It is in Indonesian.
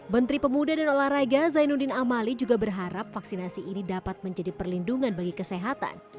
menteri pemuda dan olahraga zainuddin amali juga berharap vaksinasi ini dapat menjadi perlindungan bagi kesehatan